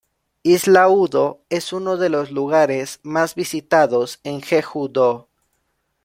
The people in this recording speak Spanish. Isla Udo es uno de los lugares más visitados en Jeju-do.